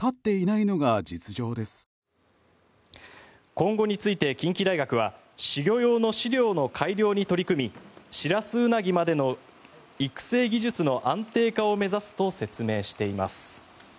今後について近畿大学は仔魚用の飼料の改良に取り組みシラスウナギまでの育成技術の安定化を目指すと説明しています。